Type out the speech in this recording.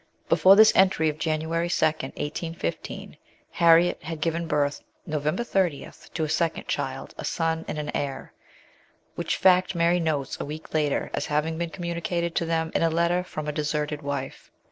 Before this entry of January 2, 1815, Harriet had given birth (November 30) to a second child, a son and heir, which fact Mary notes a week later as having been communicated to them in a letter from a deserted wife.